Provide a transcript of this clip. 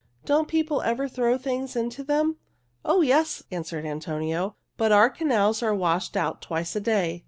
Don't people ever throw things into them?" "Oh, yes!" answered Antonio, "But our canals are all washed out twice a day.